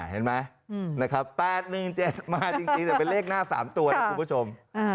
เห็นไหมนะครับ๘๑๗มาจริงแต่เป็นเลขหน้า๓ตัวนะคุณผู้ชม